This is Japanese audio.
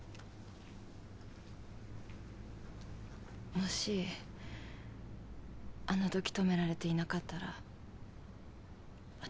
もしあのとき止められていなかったら私。